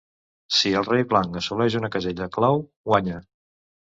Si el rei blanc assoleix una casella clau, guanya.